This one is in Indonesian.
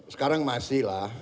sekarang masih lah